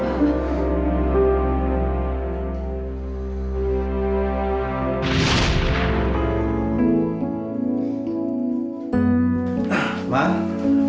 baro menurun huik